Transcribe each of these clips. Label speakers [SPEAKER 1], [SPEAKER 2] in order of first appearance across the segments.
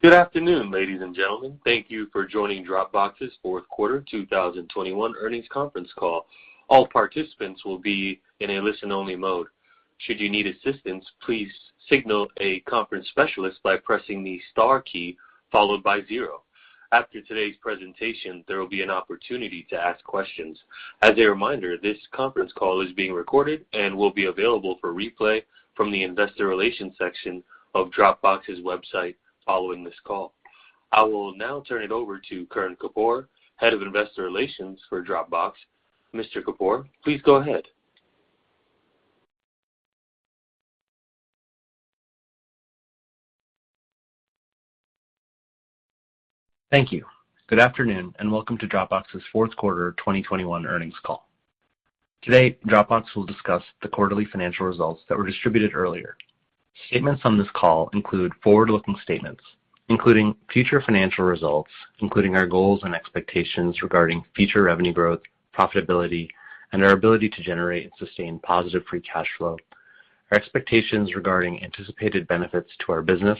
[SPEAKER 1] Good afternoon, ladies and gentlemen. Thank you for joining Dropbox's fourth quarter 2021 earnings conference call. All participants will be in a listen-only mode. Should you need assistance, please signal a conference specialist by pressing the star key followed by zero. After today's presentation, there will be an opportunity to ask questions. As a reminder, this conference call is being recorded and will be available for replay from the investor relations section of Dropbox's website following this call. I will now turn it over to Karan Kapoor, Head of Investor Relations for Dropbox. Mr. Kapoor, please go ahead.
[SPEAKER 2] Thank you. Good afternoon, and welcome to Dropbox's fourth quarter 2021 earnings call. Today, Dropbox will discuss the quarterly financial results that were distributed earlier. Statements on this call include forward-looking statements, including future financial results, including our goals and expectations regarding future revenue growth, profitability, and our ability to generate and sustain positive free cash flow. Our expectations regarding anticipated benefits to our business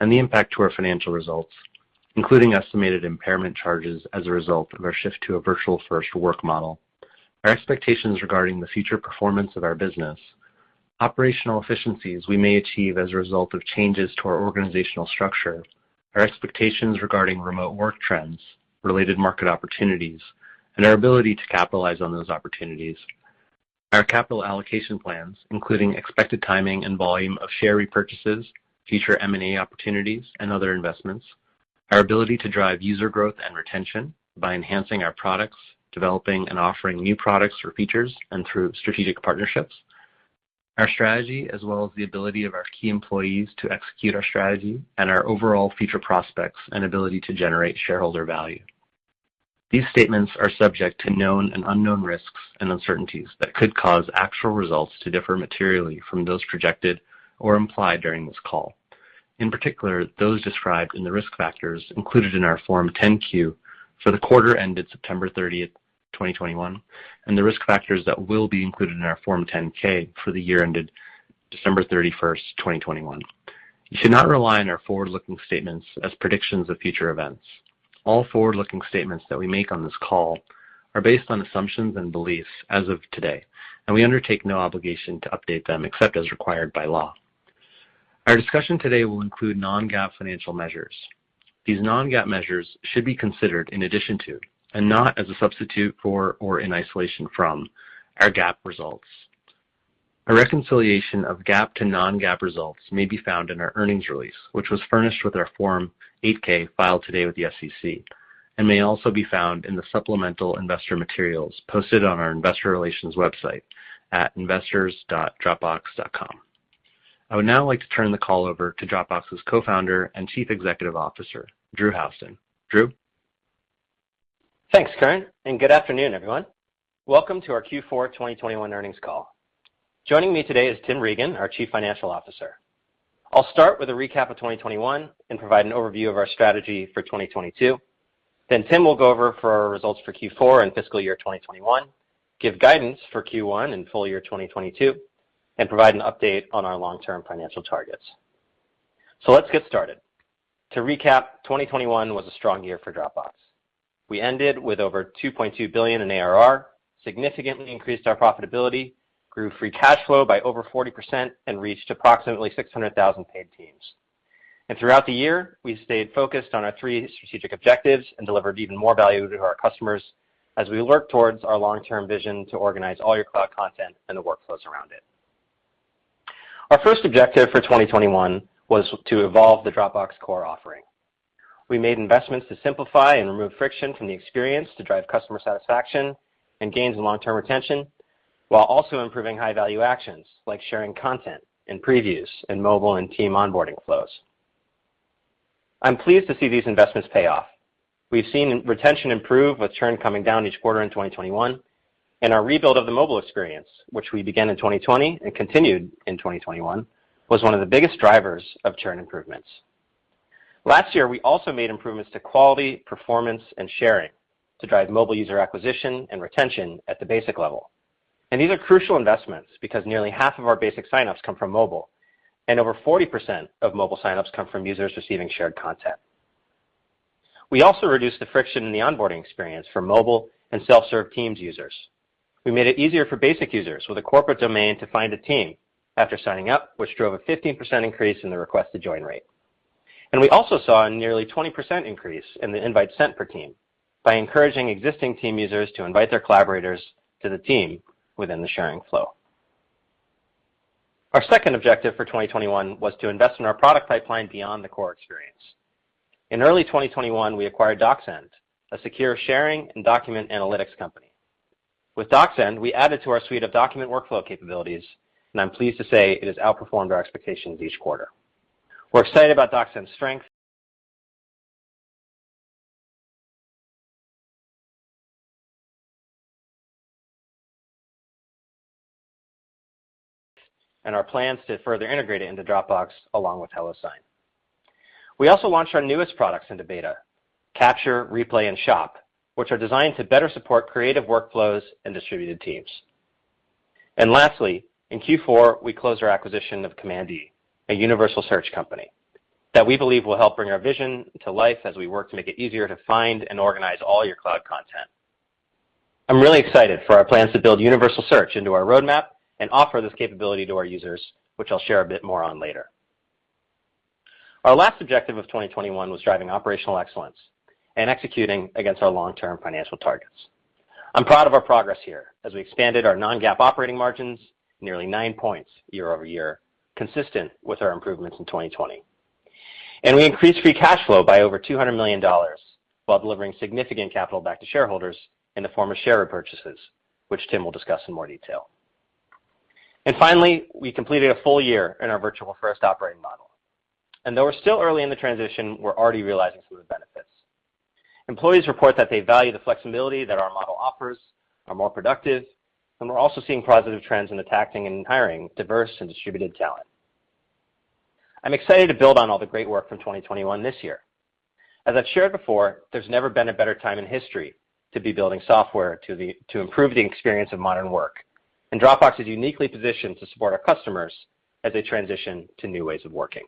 [SPEAKER 2] and the impact to our financial results, including estimated impairment charges as a result of our shift to a Virtual First work model. Our expectations regarding the future performance of our business, operational efficiencies we may achieve as a result of changes to our organizational structure, our expectations regarding remote work trends, related market opportunities, and our ability to capitalize on those opportunities. Our capital allocation plans, including expected timing and volume of share repurchases, future M&A opportunities, and other investments. Our ability to drive user growth and retention by enhancing our products, developing and offering new products or features, and through strategic partnerships. Our strategy, as well as the ability of our key employees to execute our strategy and our overall future prospects and ability to generate shareholder value. These statements are subject to known and unknown risks and uncertainties that could cause actual results to differ materially from those projected or implied during this call. In particular, those described in the risk factors included in our Form 10-Q for the quarter ended September 30th, 2021, and the risk factors that will be included in our Form 10-K for the year ended December 31st, 2021. You should not rely on our forward-looking statements as predictions of future events. All forward-looking statements that we make on this call are based on assumptions and beliefs as of today, and we undertake no obligation to update them except as required by law. Our discussion today will include non-GAAP financial measures. These non-GAAP measures should be considered in addition to, and not as a substitute for or in isolation from our GAAP results. A reconciliation of GAAP to non-GAAP results may be found in our earnings release, which was furnished with our Form 8-K filed today with the SEC, and may also be found in the supplemental investor materials posted on our investor relations website at investors.dropbox.com. I would now like to turn the call over to Dropbox's Co-founder and Chief Executive Officer, Drew Houston. Drew?
[SPEAKER 3] Thanks, Karan, and good afternoon, everyone. Welcome to our Q4 2021 earnings call. Joining me today is Tim Regan, our Chief Financial Officer. I'll start with a recap of 2021 and provide an overview of our strategy for 2022. Then Tim will go over our results for Q4 and fiscal year 2021, give guidance for Q1 and full year 2022, and provide an update on our long-term financial targets. Let's get started. To recap, 2021 was a strong year for Dropbox. We ended with over $2.2 billion in ARR, significantly increased our profitability, grew free cash flow by over 40%, and reached approximately 600,000 paid Teams. Throughout the year, we stayed focused on our three strategic objectives and delivered even more value to our customers as we work towards our long-term vision to organize all your cloud content and the workflows around it. Our first objective for 2021 was to evolve the Dropbox core offering. We made investments to simplify and remove friction from the experience to drive customer satisfaction and gains in long-term retention, while also improving high-value actions like sharing content and previews in mobile and team onboarding flows. I'm pleased to see these investments pay off. We've seen retention improve, with churn coming down each quarter in 2021, and our rebuild of the mobile experience, which we began in 2020 and continued in 2021, was one of the biggest drivers of churn improvements. Last year, we also made improvements to quality, performance, and sharing to drive mobile user acquisition and retention at the basic level. These are crucial investments because nearly half of our basic sign-ups come from mobile, and over 40% of mobile sign-ups come from users receiving shared content. We also reduced the friction in the onboarding experience for mobile and self-serve teams users. We made it easier for basic users with a corporate domain to find a team after signing up, which drove a 15% increase in the request-to-join rate. We also saw a nearly 20% increase in the invites sent per team by encouraging existing team users to invite their collaborators to the team within the sharing flow. Our second objective for 2021 was to invest in our product pipeline beyond the core experience. In early 2021, we acquired DocSend, a secure sharing and document analytics company. With DocSend, we added to our suite of document workflow capabilities, and I'm pleased to say it has outperformed our expectations each quarter. We're excited about DocSend's strength and our plans to further integrate it into Dropbox along with HelloSign. We also launched our newest products into beta, Capture, Replay, and Shop, which are designed to better support creative workflows and distributed teams. Lastly, in Q4, we closed our acquisition of Command E, a universal search company that we believe will help bring our vision to life as we work to make it easier to find and organize all your cloud content. I'm really excited for our plans to build universal search into our roadmap and offer this capability to our users, which I'll share a bit more on later. Our last objective of 2021 was driving operational excellence and executing against our long-term financial targets. I'm proud of our progress here as we expanded our non-GAAP operating margins nearly 9 points year-over-year, consistent with our improvements in 2020. We increased free cash flow by over $200 million while delivering significant capital back to shareholders in the form of share purchases, which Tim will discuss in more detail. Finally, we completed a full year in our Virtual First operating model. Though we're still early in the transition, we're already realizing some of the benefits. Employees report that they value the flexibility that our model offers, are more productive, and we're also seeing positive trends in attracting and hiring diverse and distributed talent. I'm excited to build on all the great work from 2021 this year. As I've shared before, there's never been a better time in history to be building software to improve the experience of modern work. Dropbox is uniquely positioned to support our customers as they transition to new ways of working.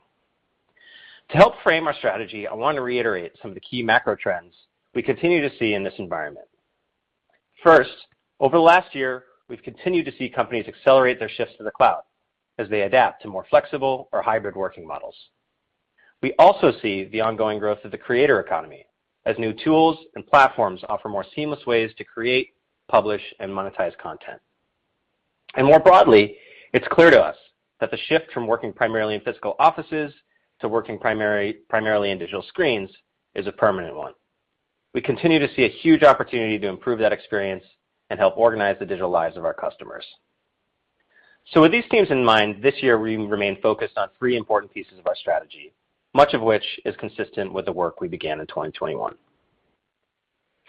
[SPEAKER 3] To help frame our strategy, I want to reiterate some of the key macro trends we continue to see in this environment. First, over the last year, we've continued to see companies accelerate their shifts to the cloud, as they adapt to more flexible or hybrid working models. We also see the ongoing growth of the creator economy as new tools and platforms offer more seamless ways to create, publish, and monetize content. More broadly, it's clear to us that the shift from working primarily in physical offices to working primarily in digital screens is a permanent one. We continue to see a huge opportunity to improve that experience and help organize the digital lives of our customers. With these themes in mind, this year we remain focused on three important pieces of our strategy, much of which is consistent with the work we began in 2021.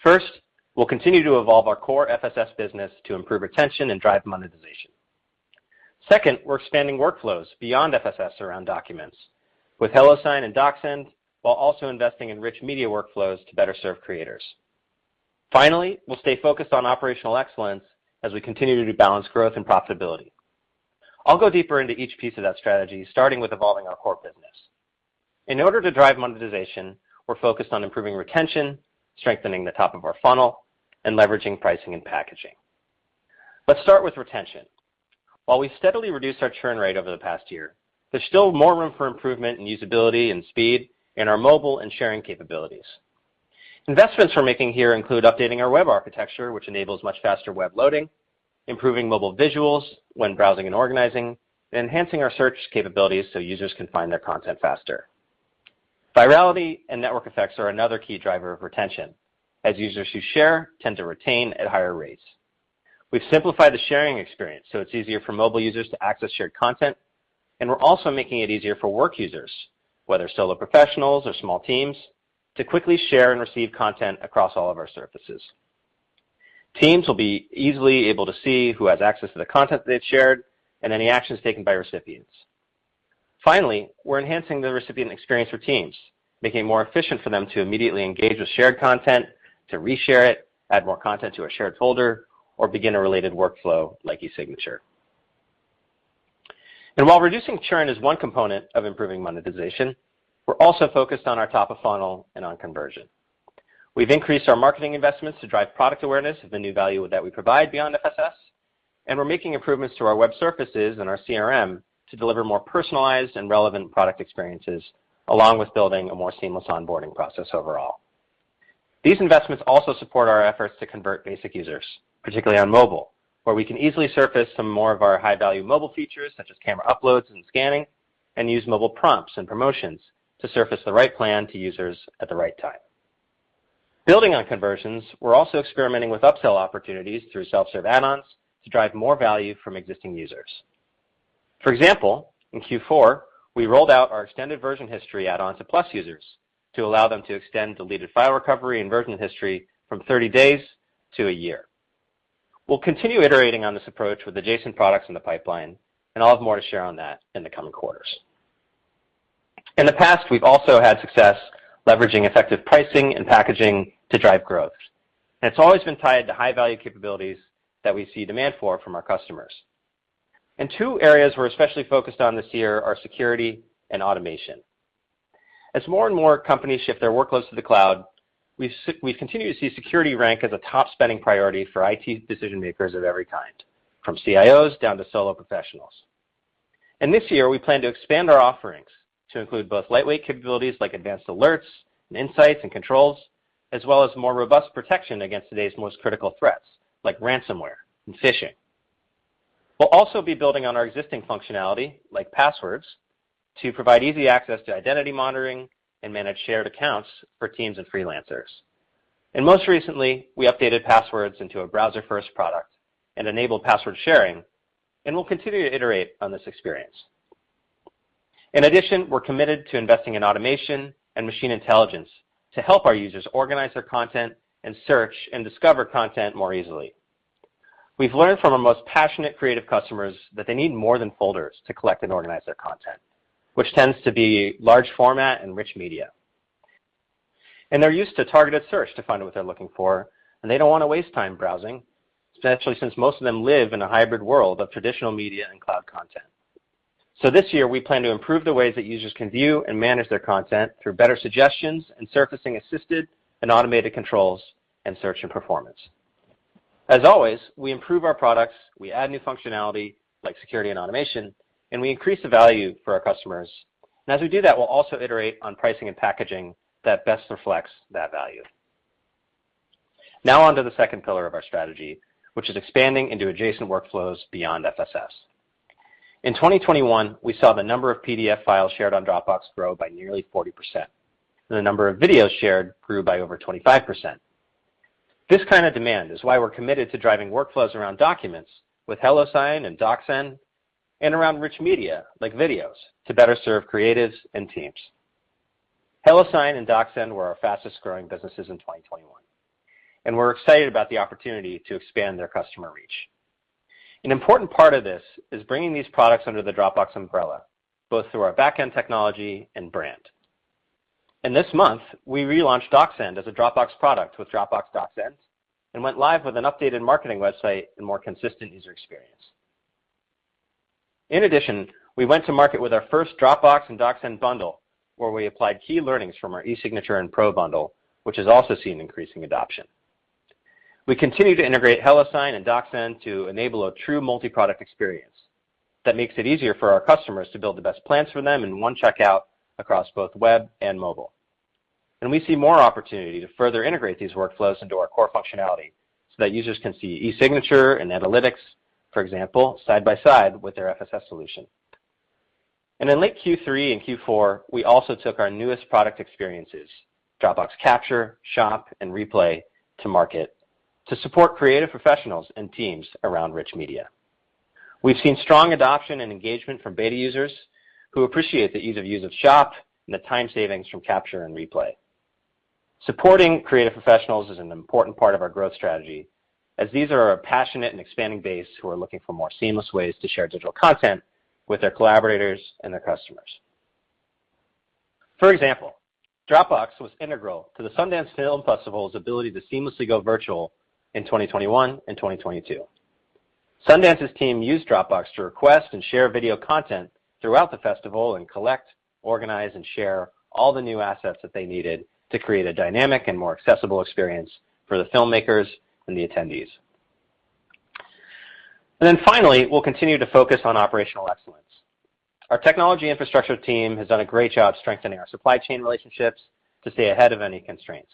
[SPEAKER 3] First, we'll continue to evolve our core FSS business to improve retention and drive monetization. Second, we're expanding workflows beyond FSS around documents with HelloSign and DocSend, while also investing in rich media workflows to better serve creators. Finally, we'll stay focused on operational excellence as we continue to balance growth and profitability. I'll go deeper into each piece of that strategy, starting with evolving our core business. In order to drive monetization, we're focused on improving retention, strengthening the top of our funnel, and leveraging pricing and packaging. Let's start with retention. While we steadily reduced our churn rate over the past year, there's still more room for improvement in usability and speed in our mobile and sharing capabilities. Investments we're making here include updating our web architecture, which enables much faster web loading, improving mobile visuals when browsing and organizing, enhancing our search capabilities so users can find their content faster. Virality and network effects are another key driver of retention, as users who share tend to retain at higher rates. We've simplified the sharing experience, so it's easier for mobile users to access shared content, and we're also making it easier for work users, whether solo professionals or small teams, to quickly share and receive content across all of our surfaces. Teams will be easily able to see who has access to the content they've shared and any actions taken by recipients. Finally, we're enhancing the recipient experience for Teams, making it more efficient for them to immediately engage with shared content, to reshare it, add more content to a shared folder, or begin a related workflow like e-Signature. While reducing churn is one component of improving monetization, we're also focused on our top of funnel and on conversion. We've increased our marketing investments to drive product awareness of the new value that we provide beyond FSS, and we're making improvements to our web surfaces and our CRM to deliver more personalized and relevant product experiences, along with building a more seamless onboarding process overall. These investments also support our efforts to convert basic users, particularly on mobile, where we can easily surface some more of our high-value mobile features, such as camera uploads and scanning, and use mobile prompts and promotions to surface the right plan to users at the right time. Building on conversions, we're also experimenting with upsell opportunities through self-serve add-ons to drive more value from existing users. For example, in Q4, we rolled out our extended version history add-on to Plus users to allow them to extend deleted file recovery and version history from 30 days to a year. We'll continue iterating on this approach with adjacent products in the pipeline, and I'll have more to share on that in the coming quarters. In the past, we've also had success leveraging effective pricing and packaging to drive growth. It's always been tied to high-value capabilities that we see demand for from our customers. Two areas we're especially focused on this year are security and automation. As more and more companies shift their workloads to the cloud, we continue to see security rank as a top spending priority for IT decision-makers of every kind, from CIOs down to solo professionals. This year, we plan to expand our offerings to include both lightweight capabilities like advanced alerts and insights and controls, as well as more robust protection against today's most critical threats, like ransomware and phishing. We'll also be building on our existing functionality, like passwords, to provide easy access to identity monitoring and manage shared accounts for teams and freelancers. Most recently, we updated passwords into a browser-first product and enabled password sharing, and we'll continue to iterate on this experience. In addition, we're committed to investing in automation and machine intelligence to help our users organize their content and search and discover content more easily. We've learned from our most passionate creative customers that they need more than folders to collect and organize their content, which tends to be large format and rich media. They're used to targeted search to find what they're looking for, and they don't wanna waste time browsing, especially since most of them live in a hybrid world of traditional media and cloud content. This year, we plan to improve the ways that users can view and manage their content through better suggestions and surfacing assisted and automated controls and search and performance. As always, we improve our products, we add new functionality like security and automation, and we increase the value for our customers. As we do that, we'll also iterate on pricing and packaging that best reflects that value. Now on to the second pillar of our strategy, which is expanding into adjacent workflows beyond FSS. In 2021, we saw the number of PDF files shared on Dropbox grow by nearly 40%, and the number of videos shared grew by over 25%. This kind of demand is why we're committed to driving workflows around documents with HelloSign and DocSend, and around rich media like videos to better serve creatives and teams. HelloSign and DocSend were our fastest-growing businesses in 2021, and we're excited about the opportunity to expand their customer reach. An important part of this is bringing these products under the Dropbox umbrella, both through our backend technology and brand. This month, we relaunched DocSend as a Dropbox product with Dropbox DocSend, and went live with an updated marketing website and more consistent user experience. In addition, we went to market with our first Dropbox and DocSend bundle, where we applied key learnings from our eSignature and Pro bundle, which has also seen increasing adoption. We continue to integrate HelloSign and DocSend to enable a true multi-product experience that makes it easier for our customers to build the best plans for them in one checkout across both web and mobile. We see more opportunity to further integrate these workflows into our core functionality so that users can see eSignature and analytics, for example, side by side with their FSS solution. In late Q3 and Q4, we also took our newest product experiences, Dropbox Capture, Shop, and Replay, to market to support creative professionals and teams around rich media. We've seen strong adoption and engagement from beta users who appreciate the ease of use of Shop and the time savings from Capture and Replay. Supporting creative professionals is an important part of our growth strategy, as these are a passionate and expanding base who are looking for more seamless ways to share digital content with their collaborators and their customers. For example, Dropbox was integral to the Sundance Film Festival's ability to seamlessly go virtual in 2021 and 2022. Sundance's team used Dropbox to request and share video content throughout the festival and collect, organize, and share all the new assets that they needed to create a dynamic and more accessible experience for the filmmakers and the attendees. Finally, we'll continue to focus on operational excellence. Our technology infrastructure team has done a great job strengthening our supply chain relationships to stay ahead of any constraints.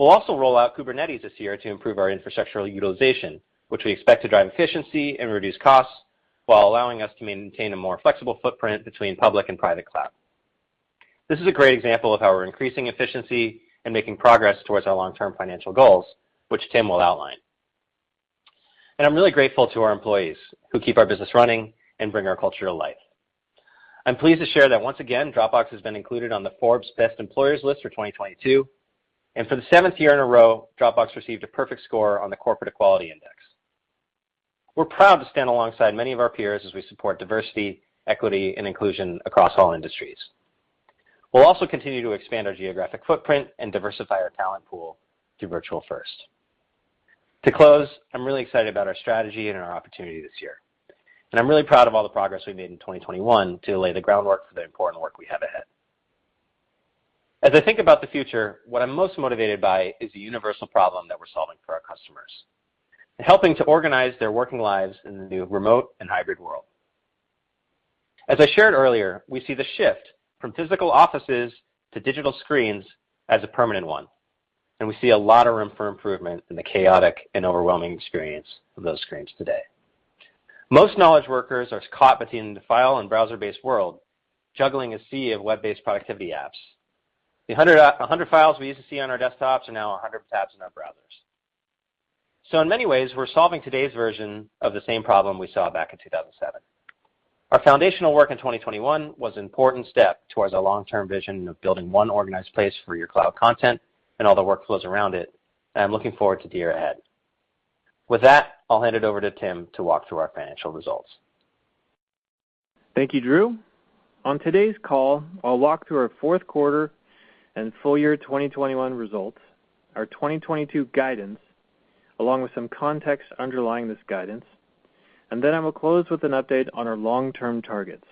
[SPEAKER 3] We'll also roll out Kubernetes this year to improve our infrastructural utilization, which we expect to drive efficiency and reduce costs while allowing us to maintain a more flexible footprint between public and private cloud. This is a great example of how we're increasing efficiency and making progress towards our long-term financial goals, which Tim will outline. I'm really grateful to our employees who keep our business running and bring our culture to life. I'm pleased to share that once again, Dropbox has been included on the Forbes Best Employers list for 2022. For the seventh year in a row, Dropbox received a perfect score on the Corporate Equality Index. We're proud to stand alongside many of our peers as we support diversity, equity, and inclusion across all industries. We'll also continue to expand our geographic footprint and diversify our talent pool through Virtual First. To close, I'm really excited about our strategy and our opportunity this year, and I'm really proud of all the progress we made in 2021 to lay the groundwork for the important work we have ahead. As I think about the future, what I'm most motivated by is the universal problem that we're solving for our customers and helping to organize their working lives in the new remote and hybrid world. As I shared earlier, we see the shift from physical offices to digital screens as a permanent one, and we see a lot of room for improvement in the chaotic and overwhelming experience of those screens today. Most knowledge workers are caught between the file and browser-based world, juggling a sea of web-based productivity apps. The 100 files we used to see on our desktops are now 100 tabs in our browsers. In many ways, we're solving today's version of the same problem we saw back in 2007. Our foundational work in 2021 was an important step towards our long-term vision of building one organized place for your cloud content and all the workflows around it, and I'm looking forward to the year ahead. With that, I'll hand it over to Tim to walk through our financial results.
[SPEAKER 4] Thank you, Drew. On today's call, I'll walk through our fourth quarter and full year 2021 results, our 2022 guidance, along with some context underlying this guidance, and then I will close with an update on our long-term targets.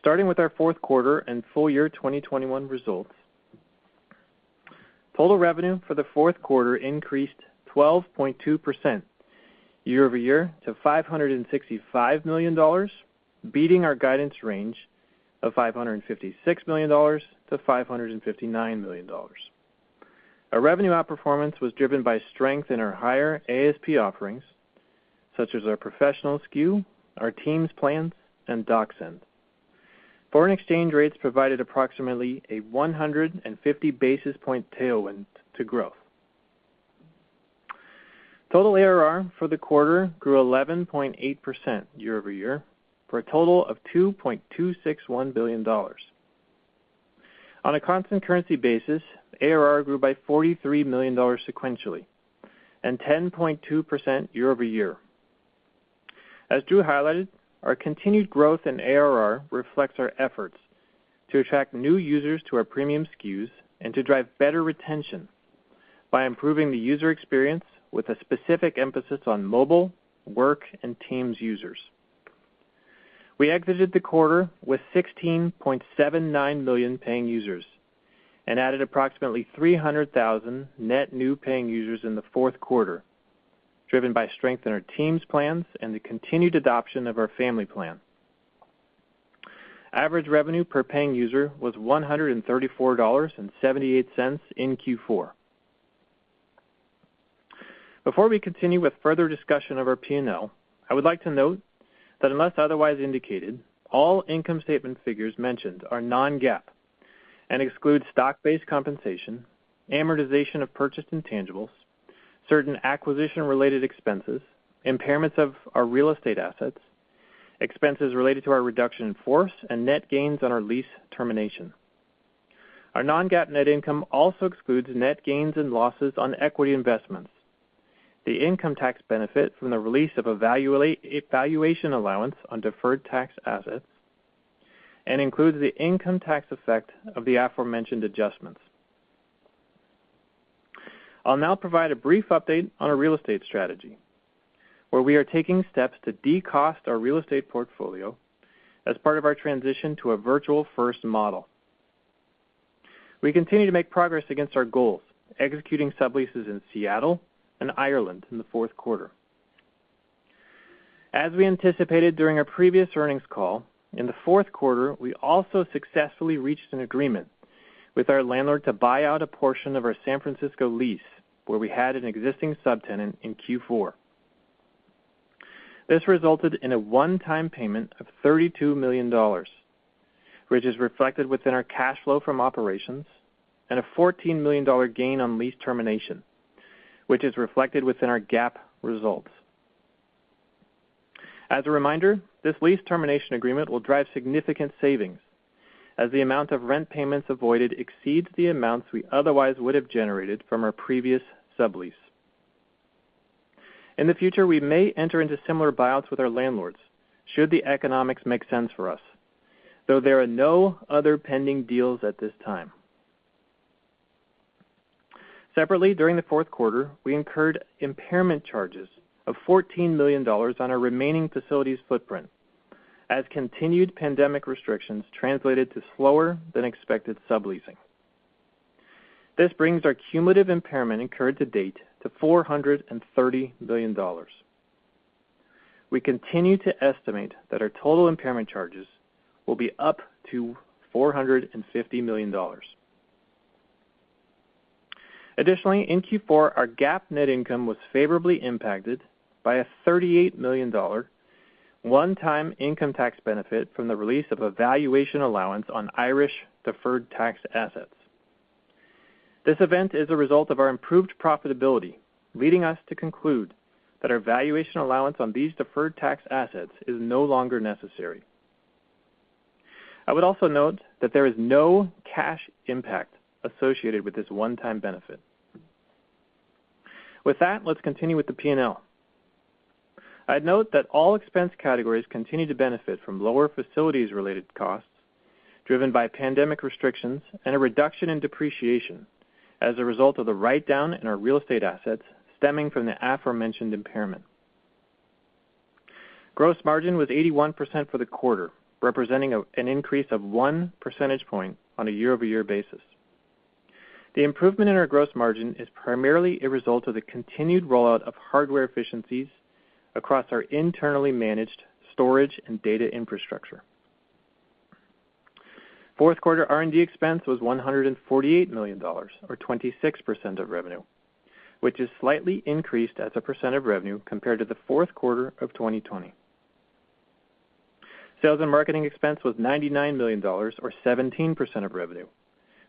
[SPEAKER 4] Starting with our fourth quarter and full year 2021 results. Total revenue for the fourth quarter increased 12.2% year-over-year to $565 million, beating our guidance range of $556 million-$559 million. Our revenue outperformance was driven by strength in our higher ASP offerings, such as our professional SKU, our Teams plans, and DocSend. Foreign exchange rates provided approximately a 150 basis point tailwind to growth. Total ARR for the quarter grew 11.8% year-over-year for a total of $2.261 billion. On a constant currency basis, ARR grew by $43 million sequentially and 10.2% year-over-year. As Drew highlighted, our continued growth in ARR reflects our efforts to attract new users to our premium SKUs and to drive better retention by improving the user experience with a specific emphasis on mobile, work, and Teams users. We exited the quarter with 16.79 million paying users and added approximately 300,000 net new paying users in the fourth quarter, driven by strength in our Teams plans and the continued adoption of our Family plan. Average revenue per paying user was $134.78 in Q4. Before we continue with further discussion of our P&L, I would like to note that unless otherwise indicated, all income statement figures mentioned are non-GAAP and exclude stock-based compensation, amortization of purchased intangibles, certain acquisition-related expenses, impairments of our real estate assets, expenses related to our reduction in force, and net gains on our lease termination. Our non-GAAP net income also excludes net gains and losses on equity investments, the income tax benefit from the release of a valuation allowance on deferred tax assets, and includes the income tax effect of the aforementioned adjustments. I'll now provide a brief update on our real estate strategy, where we are taking steps to de-cost our real estate portfolio as part of our transition to a Virtual-First model. We continue to make progress against our goals, executing subleases in Seattle and Ireland in the fourth quarter. As we anticipated during our previous earnings call, in the fourth quarter, we also successfully reached an agreement with our landlord to buy out a portion of our San Francisco lease where we had an existing subtenant in Q4. This resulted in a one-time payment of $32 million, which is reflected within our cash flow from operations, and a $14 million gain on lease termination, which is reflected within our GAAP results. As a reminder, this lease termination agreement will drive significant savings, as the amount of rent payments avoided exceeds the amounts we otherwise would have generated from our previous sublease. In the future, we may enter into similar buyouts with our landlords should the economics make sense for us, though there are no other pending deals at this time. Separately, during the fourth quarter, we incurred impairment charges of $14 million on our remaining facilities footprint as continued pandemic restrictions translated to slower-than-expected subleasing. This brings our cumulative impairment incurred to date to $430 million. We continue to estimate that our total impairment charges will be up to $450 million. Additionally, in Q4, our GAAP net income was favorably impacted by a $38 million one-time income tax benefit from the release of a valuation allowance on Irish deferred tax assets. This event is a result of our improved profitability, leading us to conclude that our valuation allowance on these deferred tax assets is no longer necessary. I would also note that there is no cash impact associated with this one-time benefit. With that, let's continue with the P&L. I'd note that all expense categories continue to benefit from lower facilities-related costs driven by pandemic restrictions and a reduction in depreciation as a result of the write-down in our real estate assets stemming from the aforementioned impairment. Gross margin was 81% for the quarter, representing an increase of 1 percentage point on a year-over-year basis. The improvement in our gross margin is primarily a result of the continued rollout of hardware efficiencies across our internally managed storage and data infrastructure. Fourth quarter R&D expense was $148 million, or 26% of revenue, which is slightly increased as a percent of revenue compared to the fourth quarter of 2020. Sales and marketing expense was $99 million, or 17% of revenue,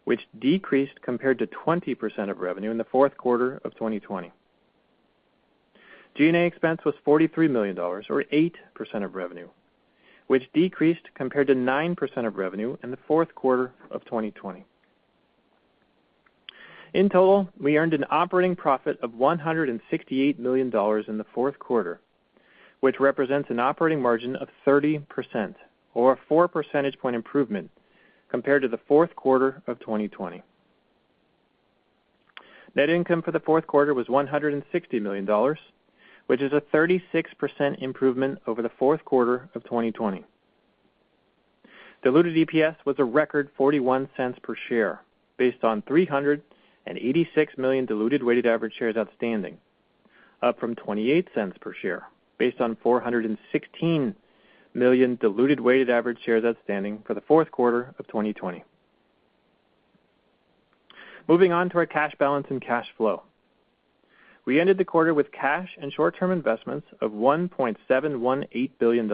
[SPEAKER 4] which decreased compared to 20% of revenue in the fourth quarter of 2020. G&A expense was $43 million, or 8% of revenue, which decreased compared to 9% of revenue in the fourth quarter of 2020. In total, we earned an operating profit of $168 million in the fourth quarter, which represents an operating margin of 30% or a 4 percentage point improvement compared to the fourth quarter of 2020. Net income for the fourth quarter was $160 million, which is a 36% improvement over the fourth quarter of 2020. Diluted EPS was a record $0.41 per share based on 386 million diluted weighted average shares outstanding, up from $0.28 per share based on 416 million diluted weighted average shares outstanding for the fourth quarter of 2020. Moving on to our cash balance and cash flow. We ended the quarter with cash and short-term investments of $1.718 billion.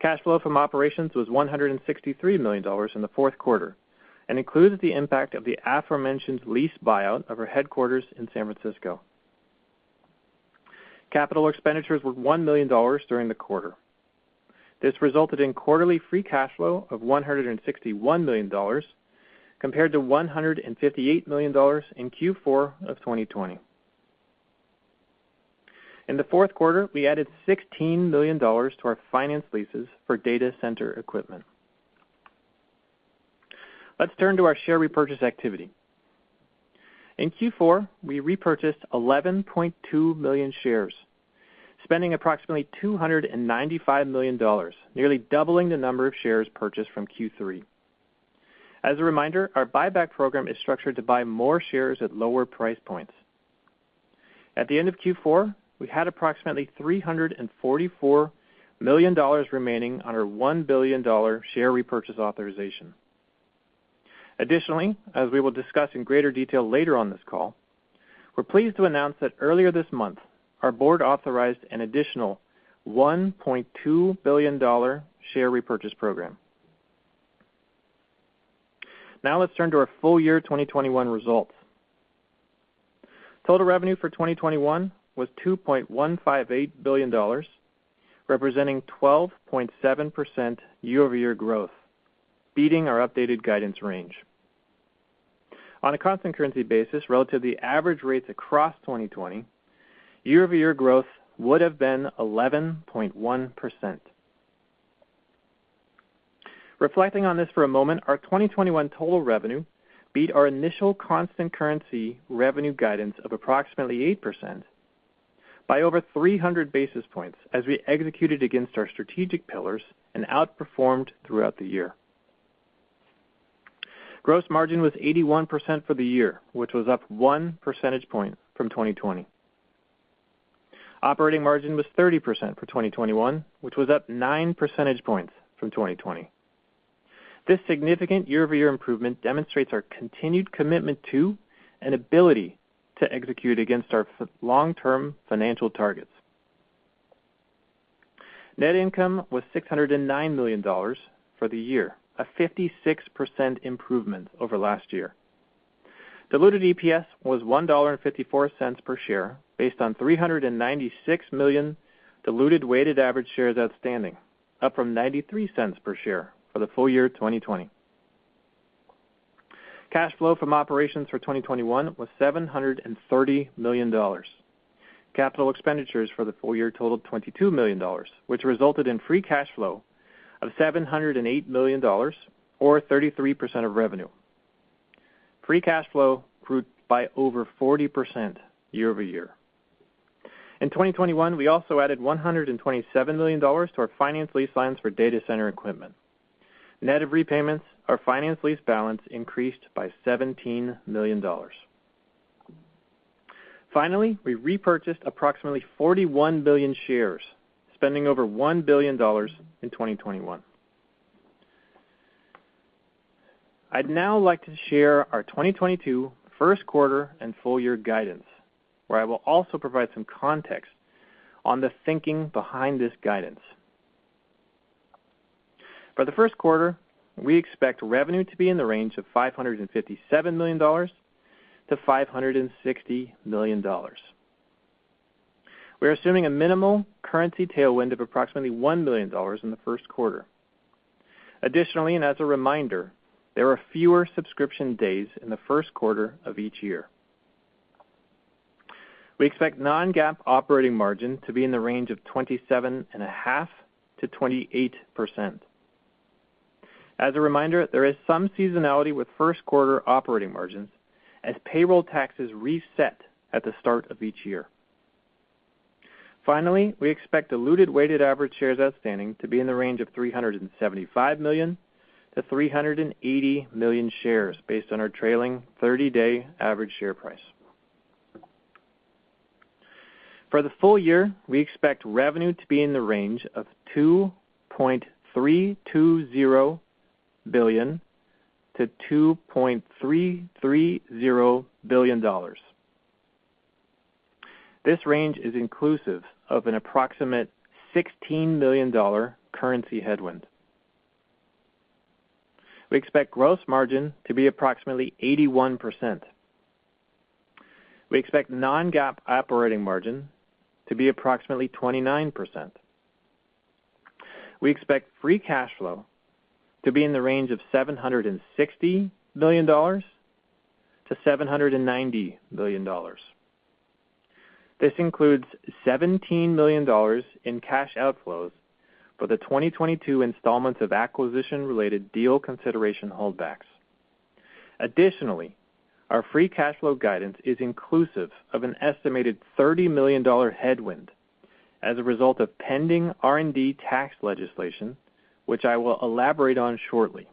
[SPEAKER 4] Cash flow from operations was $163 million in the fourth quarter and includes the impact of the aforementioned lease buyout of our headquarters in San Francisco. Capital expenditures were $1 million during the quarter. This resulted in quarterly free cash flow of $161 million, compared to $158 million in Q4 of 2020. In the fourth quarter, we added $16 million to our finance leases for data center equipment. Let's turn to our share repurchase activity. In Q4, we repurchased 11.2 million shares, spending approximately $295 million, nearly doubling the number of shares purchased from Q3. As a reminder, our buyback program is structured to buy more shares at lower price points. At the end of Q4, we had approximately $344 million remaining on our $1 billion share repurchase authorization. Additionally, as we will discuss in greater detail later on this call, we're pleased to announce that earlier this month, our board authorized an additional $1.2 billion share repurchase program. Now let's turn to our full year 2021 results. Total revenue for 2021 was $2.158 billion, representing 12.7% year-over-year growth, beating our updated guidance range. On a constant currency basis relative to the average rates across 2020, year-over-year growth would have been 11.1%. Reflecting on this for a moment, our 2021 total revenue beat our initial constant currency revenue guidance of approximately 8% by over 300 basis points as we executed against our strategic pillars and outperformed throughout the year. Gross margin was 81% for the year, which was up 1 percentage point from 2020. Operating margin was 30% for 2021, which was up 9 percentage points from 2020. This significant year-over-year improvement demonstrates our continued commitment to and ability to execute against our long-term financial targets. Net income was $609 million for the year, a 56% improvement over last year. Diluted EPS was $1.54 per share based on 396 million diluted weighted average shares outstanding, up from $0.93 per share for the full year 2020. Cash flow from operations for 2021 was $730 million. Capital expenditures for the full year totaled $22 million, which resulted in free cash flow of $708 million or 33% of revenue. Free cash flow grew by over 40% year-over-year. In 2021, we also added $127 million to our finance lease lines for data center equipment. Net of repayments, our finance lease balance increased by $17 million. Finally, we repurchased approximately 41 million shares, spending over $1 billion in 2021. I'd now like to share our 2022 first quarter and full year guidance, where I will also provide some context on the thinking behind this guidance. For the first quarter, we expect revenue to be in the range of $557 million-$560 million. We are assuming a minimal currency tailwind of approximately $1 million in the first quarter. Additionally, and as a reminder, there are fewer subscription days in the first quarter of each year. We expect non-GAAP operating margin to be in the range of 27.5%-28%. As a reminder, there is some seasonality with first quarter operating margins as payroll taxes reset at the start of each year. Finally, we expect diluted weighted average shares outstanding to be in the range of 375 million-380 million shares based on our trailing 30-day average share price. For the full year, we expect revenue to be in the range of $2.320 billion-$2.330 billion. This range is inclusive of an approximate $16 million currency headwind. We expect gross margin to be approximately 81%. We expect non-GAAP operating margin to be approximately 29%. We expect free cash flow to be in the range of $760 million-$790 million. This includes $17 million in cash outflows for the 2022 installments of acquisition-related deal consideration holdbacks. Additionally, our free cash flow guidance is inclusive of an estimated $30 million headwind as a result of pending R&D tax legislation, which I will elaborate on shortly.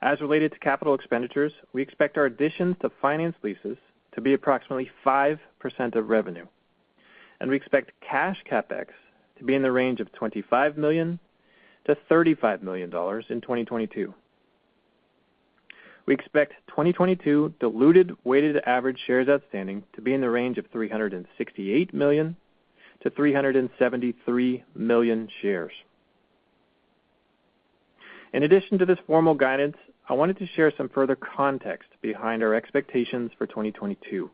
[SPEAKER 4] As related to capital expenditures, we expect our additions to finance leases to be approximately 5% of revenue, and we expect cash CapEx to be in the range of $25 million-$35 million in 2022. We expect 2022 diluted weighted average shares outstanding to be in the range of 368 million-373 million shares. In addition to this formal guidance, I wanted to share some further context behind our expectations for 2022.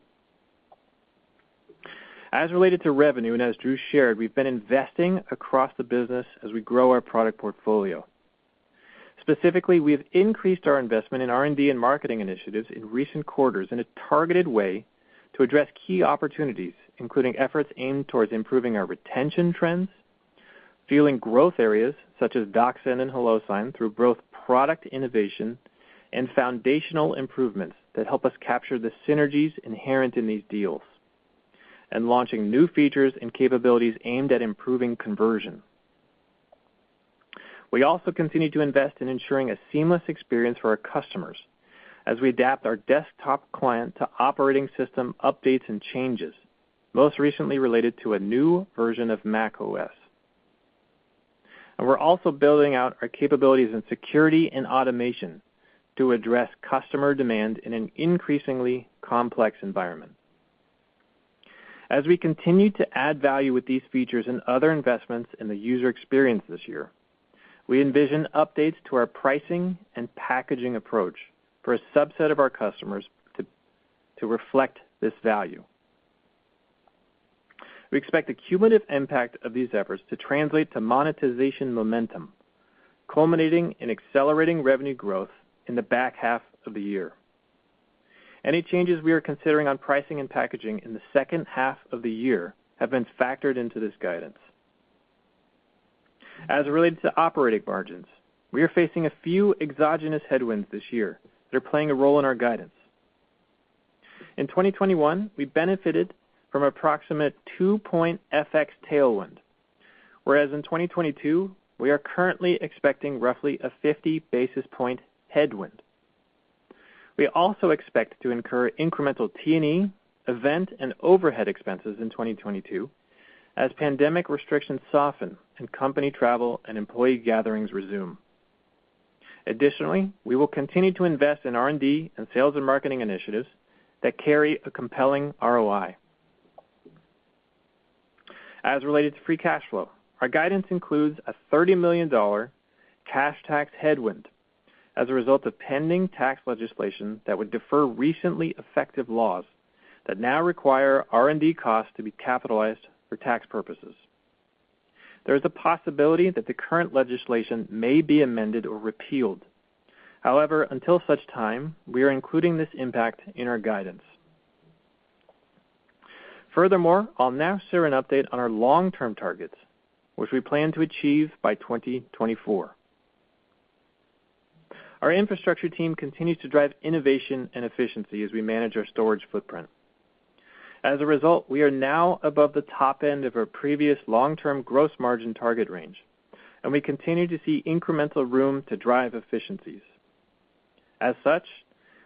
[SPEAKER 4] As related to revenue, and as Drew shared, we've been investing across the business as we grow our product portfolio. Specifically, we have increased our investment in R&D and marketing initiatives in recent quarters in a targeted way to address key opportunities, including efforts aimed towards improving our retention trends, fueling growth areas such as DocSend and HelloSign through both product innovation and foundational improvements that help us capture the synergies inherent in these deals, and launching new features and capabilities aimed at improving conversion. We also continue to invest in ensuring a seamless experience for our customers as we adapt our desktop client to operating system updates and changes, most recently related to a new version of macOS. We're also building out our capabilities in security and automation to address customer demand in an increasingly complex environment. As we continue to add value with these features and other investments in the user experience this year, we envision updates to our pricing and packaging approach for a subset of our customers to reflect this value. We expect the cumulative impact of these efforts to translate to monetization momentum, culminating in accelerating revenue growth in the back half of the year. Any changes we are considering on pricing and packaging in the second half of the year have been factored into this guidance. As it relates to operating margins, we are facing a few exogenous headwinds this year that are playing a role in our guidance. In 2021, we benefited from approximate 2-point FX tailwind, whereas in 2022, we are currently expecting roughly a 50 basis point headwind. We also expect to incur incremental T&E, event, and overhead expenses in 2022 as pandemic restrictions soften and company travel and employee gatherings resume. Additionally, we will continue to invest in R&D and sales and marketing initiatives that carry a compelling ROI. As related to free cash flow, our guidance includes a $30 million cash tax headwind as a result of pending tax legislation that would defer recently effective laws that now require R&D costs to be capitalized for tax purposes. There is a possibility that the current legislation may be amended or repealed. However, until such time, we are including this impact in our guidance. Furthermore, I'll now share an update on our long-term targets, which we plan to achieve by 2024. Our infrastructure team continues to drive innovation and efficiency as we manage our storage footprint. As a result, we are now above the top end of our previous long-term gross margin target range, and we continue to see incremental room to drive efficiencies. As such,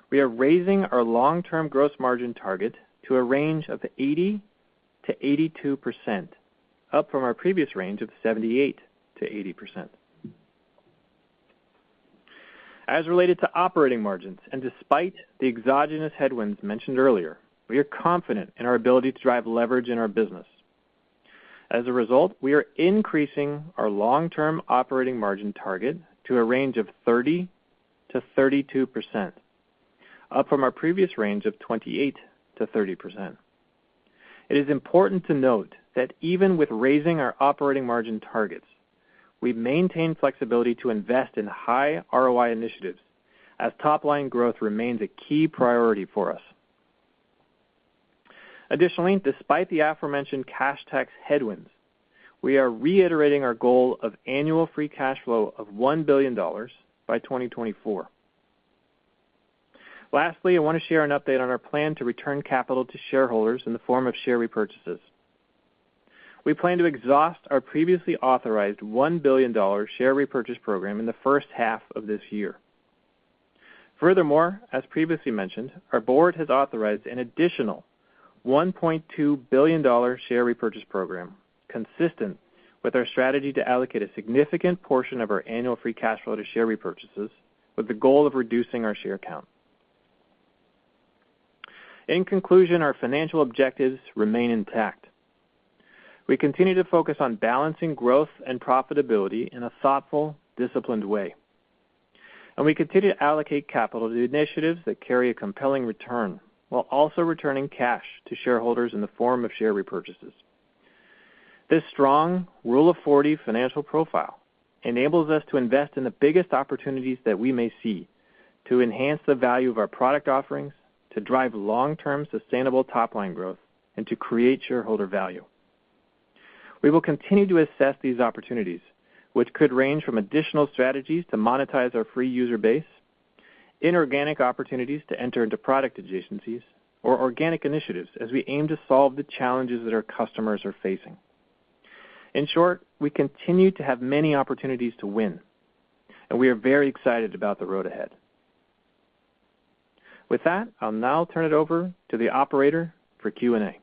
[SPEAKER 4] we are raising our long-term gross margin target to a range of 80%-82%, up from our previous range of 78%-80%. As related to operating margins, and despite the exogenous headwinds mentioned earlier, we are confident in our ability to drive leverage in our business. As a result, we are increasing our long-term operating margin target to a range of 30%-32%, up from our previous range of 28%-30%. It is important to note that even with raising our operating margin targets, we maintain flexibility to invest in high ROI initiatives as top-line growth remains a key priority for us. Additionally, despite the aforementioned cash tax headwinds, we are reiterating our goal of annual free cash flow of $1 billion by 2024. Lastly, I want to share an update on our plan to return capital to shareholders in the form of share repurchases. We plan to exhaust our previously authorized $1 billion share repurchase program in the first half of this year. Furthermore, as previously mentioned, our board has authorized an additional $1.2 billion share repurchase program, consistent with our strategy to allocate a significant portion of our annual free cash flow to share repurchases with the goal of reducing our share count. In conclusion, our financial objectives remain intact. We continue to focus on balancing growth and profitability in a thoughtful, disciplined way, and we continue to allocate capital to initiatives that carry a compelling return while also returning cash to shareholders in the form of share repurchases. This strong Rule of 40 financial profile enables us to invest in the biggest opportunities that we may see to enhance the value of our product offerings, to drive long-term sustainable top-line growth, and to create shareholder value. We will continue to assess these opportunities, which could range from additional strategies to monetize our free user base, inorganic opportunities to enter into product adjacencies, or organic initiatives as we aim to solve the challenges that our customers are facing. In short, we continue to have many opportunities to win, and we are very excited about the road ahead. With that, I'll now turn it over to the operator for Q&A.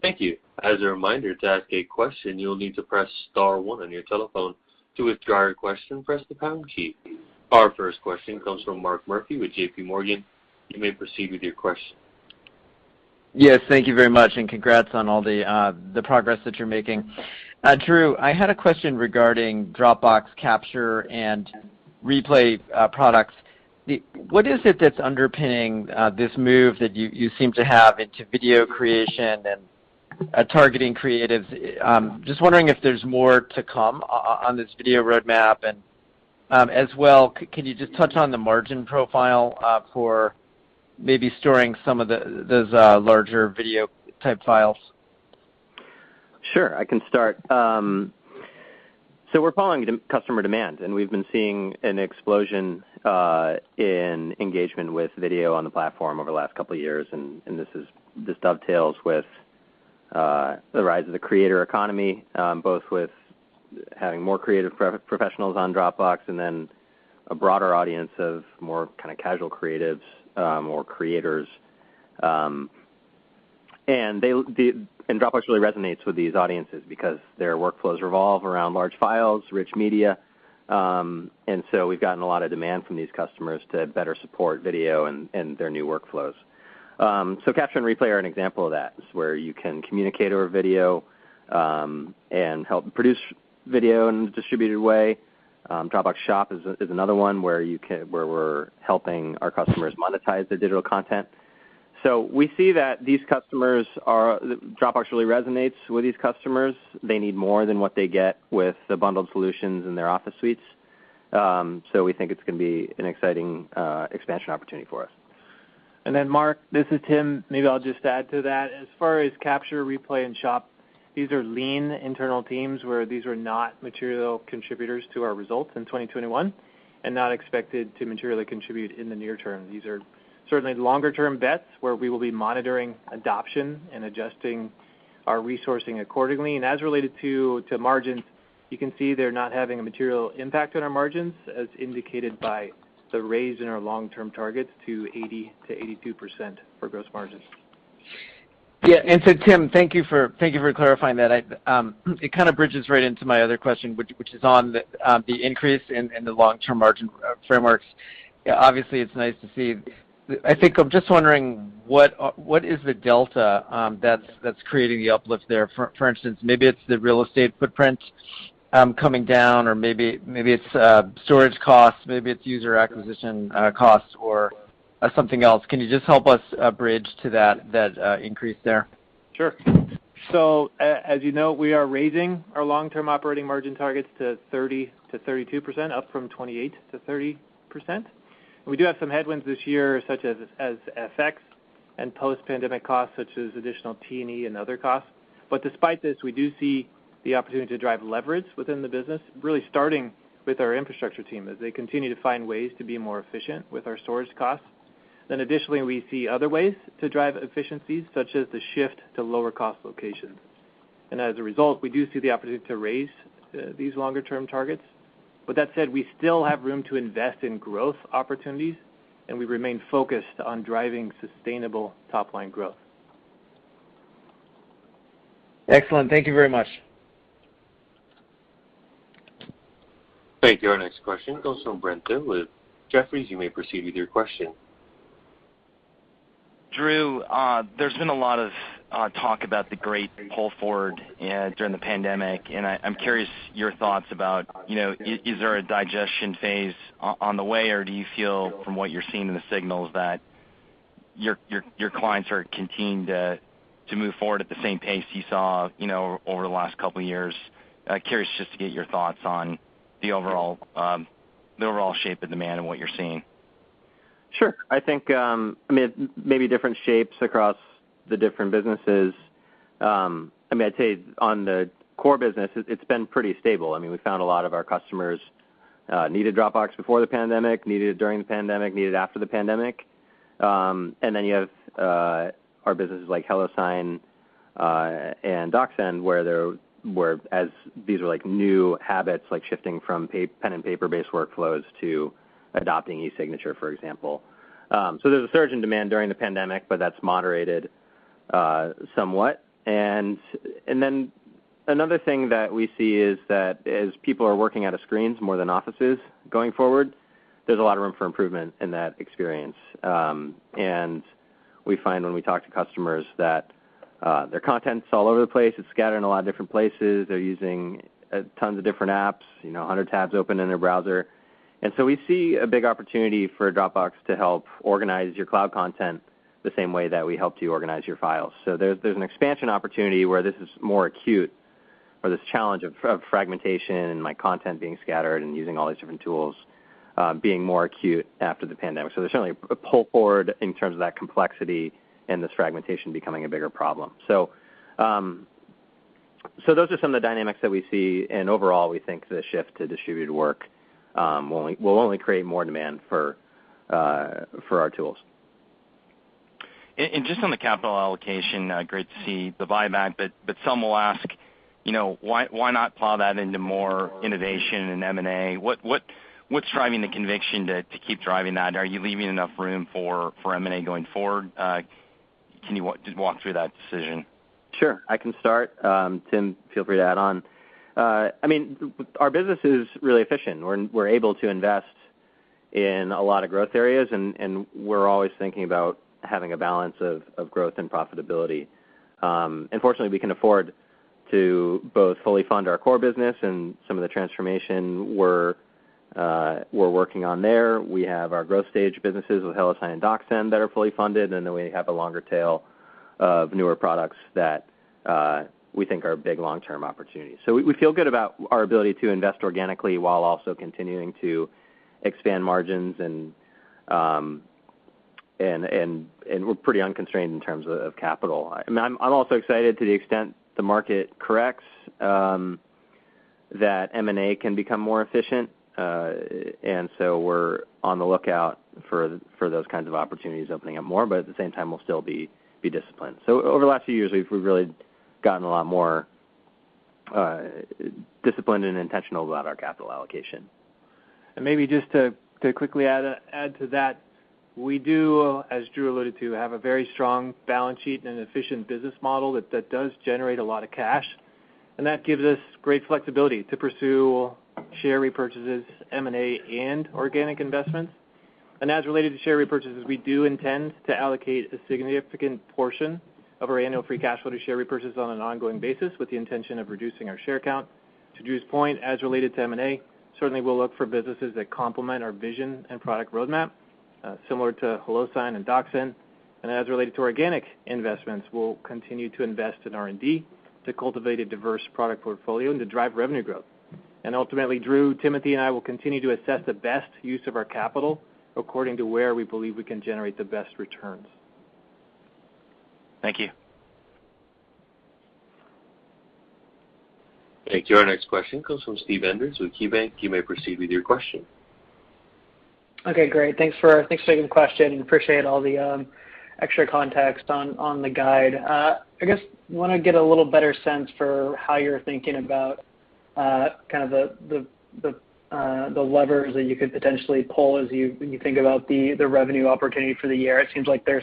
[SPEAKER 1] Thank you. As a reminder, to ask a question, you'll need to press star one on your telephone. To withdraw your question, press the pound key. Our first question comes from Mark Murphy with JPMorgan. You may proceed with your question.
[SPEAKER 5] Yes, thank you very much, and congrats on all the progress that you're making. Drew, I had a question regarding Dropbox Capture and Replay products. What is it that's underpinning this move that you seem to have into video creation and targeting creatives? Just wondering if there's more to come on this video roadmap. As well, can you just touch on the margin profile for maybe storing some of those larger video-type files?
[SPEAKER 3] Sure, I can start. We're following customer demand, and we've been seeing an explosion in engagement with video on the platform over the last couple years, and this dovetails with the rise of the creator economy, both with having more creative professionals on Dropbox and then a broader audience of more kind of casual creatives or creators. Dropbox really resonates with these audiences because their workflows revolve around large files, rich media. We've gotten a lot of demand from these customers to better support video and their new workflows. Capture and Replay are an example of that. It's where you can communicate over video and help produce video in a distributed way. Dropbox Shop is another one where we're helping our customers monetize their digital content. We see that these customers, Dropbox really resonates with these customers. They need more than what they get with the bundled solutions in their office suites. We think it's gonna be an exciting expansion opportunity for us.
[SPEAKER 4] Mark, this is Tim. Maybe I'll just add to that. As far as Capture, Replay and Shop, these are lean internal teams where these were not material contributors to our results in 2021 and not expected to materially contribute in the near term. These are certainly longer term bets where we will be monitoring adoption and adjusting our resourcing accordingly. As related to margins, you can see they're not having a material impact on our margins as indicated by the raise in our long-term targets to 80%-82% for gross margins.
[SPEAKER 5] Yeah. Tim, thank you for clarifying that. It kind of bridges right into my other question, which is on the increase in the long-term margin frameworks. Obviously, it's nice to see. I think I'm just wondering what is the delta that's creating the uplift there? For instance, maybe it's the real estate footprint coming down, or maybe it's storage costs, maybe it's user acquisition costs or something else. Can you just help us bridge to that increase there?
[SPEAKER 4] Sure. As you know, we are raising our long-term operating margin targets to 30%-32%, up from 28%-30%. We do have some headwinds this year, such as FX and post-pandemic costs, such as additional T&E and other costs. Despite this, we do see the opportunity to drive leverage within the business, really starting with our infrastructure team as they continue to find ways to be more efficient with our storage costs. Additionally, we see other ways to drive efficiencies, such as the shift to lower cost locations. As a result, we do see the opportunity to raise these longer term targets. That said, we still have room to invest in growth opportunities, and we remain focused on driving sustainable top line growth.
[SPEAKER 5] Excellent. Thank you very much.
[SPEAKER 1] Thank you. Our next question comes from Brent Thill with Jefferies. You may proceed with your question.
[SPEAKER 6] Drew, there's been a lot of talk about the great pull forward during the pandemic, and I'm curious your thoughts about, you know, is there a digestion phase on the way, or do you feel from what you're seeing in the signals that your clients are continuing to move forward at the same pace you saw, you know, over the last couple years? Curious just to get your thoughts on the overall shape of demand and what you're seeing.
[SPEAKER 3] Sure. I think, I mean, maybe different shapes across the different businesses. I mean, I'd say on the core business, it's been pretty stable. I mean, we found a lot of our customers needed Dropbox before the pandemic, needed it during the pandemic, needed it after the pandemic. Then you have our businesses like HelloSign and DocSend, whereas these are like new habits, like shifting from pen and paper-based workflows to adopting e-Signature, for example. There's a surge in demand during the pandemic, but that's moderated somewhat. Then another thing that we see is that as people are working out of screens more than offices going forward, there's a lot of room for improvement in that experience. We find when we talk to customers that their content's all over the place. It's scattered in a lot of different places. They're using tons of different apps, you know, 100 tabs open in their browser. We see a big opportunity for Dropbox to help organize your cloud content the same way that we help you organize your files. There's an expansion opportunity where this is more acute, or this challenge of fragmentation and my content being scattered and using all these different tools, being more acute after the pandemic. There's certainly a pull forward in terms of that complexity and this fragmentation becoming a bigger problem. Those are some of the dynamics that we see, and overall, we think the shift to distributed work will only create more demand for our tools.
[SPEAKER 6] Just on the capital allocation, great to see the buyback, but some will ask, you know, why not plow that into more innovation and M&A? What's driving the conviction to keep driving that? Are you leaving enough room for M&A going forward? Can you just walk through that decision?
[SPEAKER 3] Sure, I can start. Tim, feel free to add on. I mean, our business is really efficient. We're able to invest in a lot of growth areas, and we're always thinking about having a balance of growth and profitability. Fortunately, we can afford to both fully fund our core business and some of the transformation we're working on there. We have our growth stage businesses with HelloSign and DocSend that are fully funded, and then we have a longer tail of newer products that we think are big long-term opportunities. We feel good about our ability to invest organically while also continuing to expand margins, and we're pretty unconstrained in terms of capital. I mean, I'm also excited to the extent the market corrects that M&A can become more efficient. We're on the lookout for those kinds of opportunities opening up more, but at the same time, we'll still be disciplined. Over the last few years, we've really gotten a lot more disciplined and intentional about our capital allocation.
[SPEAKER 4] Maybe just to quickly add to that, we do, as Drew alluded to, have a very strong balance sheet and efficient business model that does generate a lot of cash, and that gives us great flexibility to pursue share repurchases, M&A, and organic investments. As related to share repurchases, we do intend to allocate a significant portion of our annual free cash flow to share repurchases on an ongoing basis with the intention of reducing our share count. To Drew's point, as related to M&A, certainly we'll look for businesses that complement our vision and product roadmap, similar to HelloSign and DocSend. As related to organic investments, we'll continue to invest in R&D to cultivate a diverse product portfolio and to drive revenue growth. Ultimately, Drew, Timothy, and I will continue to assess the best use of our capital according to where we believe we can generate the best returns.
[SPEAKER 6] Thank you.
[SPEAKER 1] Thank you. Our next question comes from Steve Enders with KeyBanc. You may proceed with your question.
[SPEAKER 7] Okay, great. Thanks for taking the question. Appreciate all the extra context on the guide. I guess wanna get a little better sense for how you're thinking about kind of the levers that you could potentially pull when you think about the revenue opportunity for the year. It seems like there are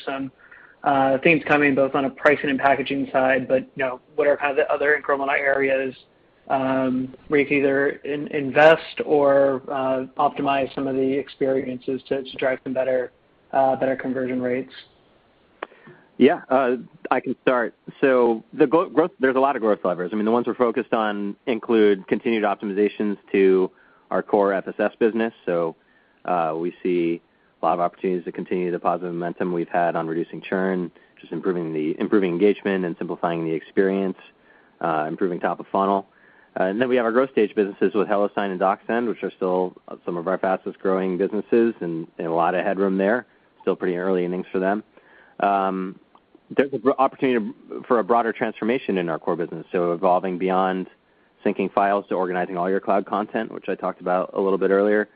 [SPEAKER 7] some things coming both on a pricing and packaging side, but you know, what are kind of the other incremental areas where you could either invest or optimize some of the experiences to drive some better conversion rates?
[SPEAKER 3] I can start. The growth levers. I mean, the ones we're focused on include continued optimizations to our core FSS business. We see a lot of opportunities to continue the positive momentum we've had on reducing churn, just improving engagement and simplifying the experience, improving top of funnel. We have our growth stage businesses with HelloSign and DocSend, which are still some of our fastest-growing businesses and a lot of headroom there. Still pretty early innings for them. There's a great opportunity for a broader transformation in our core business, evolving beyond syncing files to organizing all your cloud content, which I talked about a little bit earlier.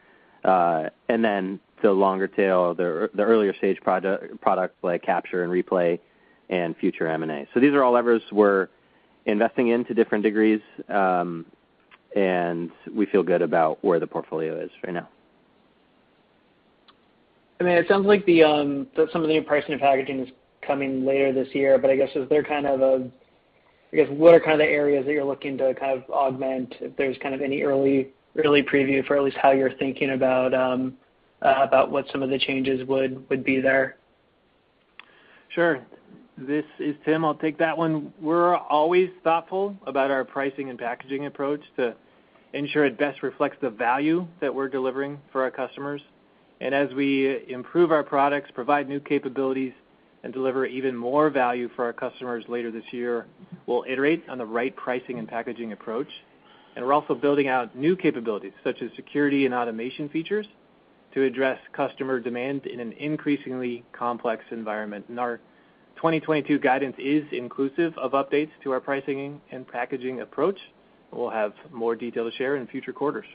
[SPEAKER 3] The longer tail, the earlier stage products like Capture and Replay and future M&A. These are all levers we're investing in to different degrees, and we feel good about where the portfolio is right now.
[SPEAKER 7] I mean, it sounds like some of the new pricing and packaging is coming later this year, but I guess what are kind of the areas that you're looking to kind of augment, if there's kind of any early preview for at least how you're thinking about what some of the changes would be there?
[SPEAKER 4] Sure. This is Tim. I'll take that one. We're always thoughtful about our pricing and packaging approach to ensure it best reflects the value that we're delivering for our customers. As we improve our products, provide new capabilities, and deliver even more value for our customers later this year, we'll iterate on the right pricing and packaging approach. We're also building out new capabilities, such as security and automation features, to address customer demand in an increasingly complex environment. Our 2022 guidance is inclusive of updates to our pricing and packaging approach. We'll have more detail to share in future quarters.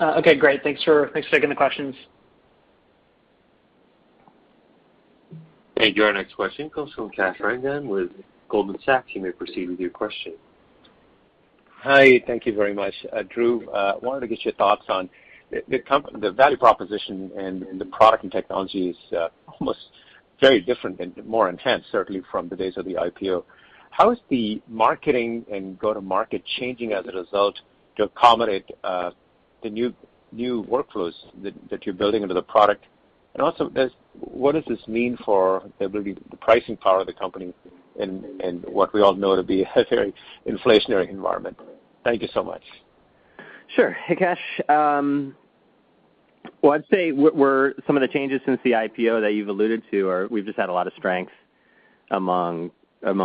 [SPEAKER 7] Okay, great. Thanks for taking the questions.
[SPEAKER 1] Thank you. Our next question comes from Kash Rangan with Goldman Sachs. You may proceed with your question.
[SPEAKER 8] Hi. Thank you very much. Drew, wanted to get your thoughts on the value proposition and the product and technologies, almost very different and more intense, certainly from the days of the IPO. How is the marketing and go-to-market changing as a result to accommodate the new workflows that you're building into the product? Also, what does this mean for the pricing power of the company in what we all know to be a very inflationary environment? Thank you so much.
[SPEAKER 3] Sure. Hey, Kash. Well, I'd say some of the changes since the IPO that you've alluded to. We've just had a lot of strength among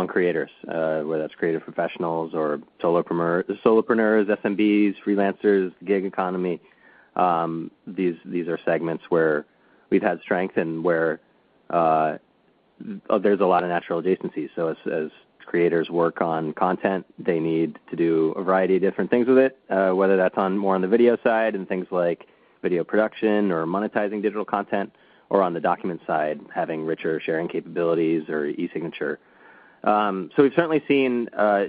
[SPEAKER 3] creators, whether that's creative professionals or solopreneurs, SMBs, freelancers, gig economy. These are segments where we've had strength and where there's a lot of natural adjacencies. As creators work on content, they need to do a variety of different things with it, whether that's more on the video side and things like video production or monetizing digital content, or on the document side, having richer sharing capabilities or e-Signature. We've certainly seen